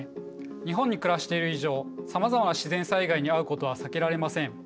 日本に暮らしている以上さまざまな自然災害に遭うことは避けられません。